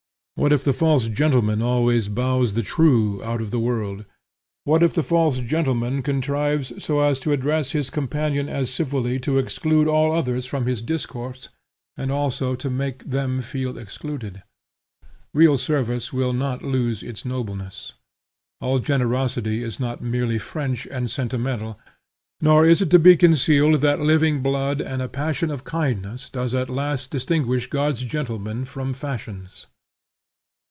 What if the false gentleman almost bows the true out Of the world? What if the false gentleman contrives so to address his companion as civilly to exclude all others from his discourse, and also to make them feel excluded? Real service will not lose its nobleness. All generosity is not merely French and sentimental; nor is it to be concealed that living blood and a passion of kindness does at last distinguish God's gentleman from Fashion's.